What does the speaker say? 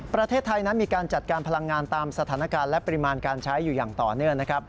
ประเทศไทยนั้นมีการจัดการพลังงานตามสถานการณ์และปริมาณการใช้อยู่อย่างต่อเนื่องนะครับ